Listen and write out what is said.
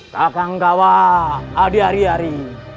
takang gawa adiari ari